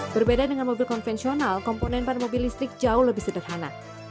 berbeda dengan mobil konvensional komponen ban mobil listrik jauh lebih sederhana